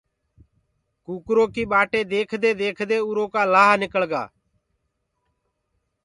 ڪُڪَرو ڪي ٻآٽي ديکدي ديکدي اورو ڪآ لآه ڪڙگآ۔